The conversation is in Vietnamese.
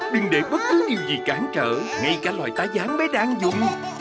đừng để bất cứ điều gì cản trở ngay cả loài tá gián bé đang dùng